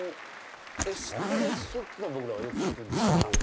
エスプレッソっていうのは僕らはよく知ってるんですけど。